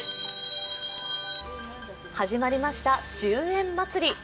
始まりました、１０円祭り。